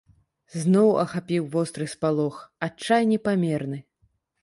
Зноў ахапіў востры спалох, адчай непамерны.